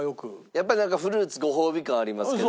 やっぱりなんかフルーツご褒美感ありますけど。